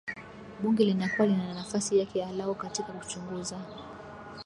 bunge linakuwa linanafasi yake alao katika kuchuguza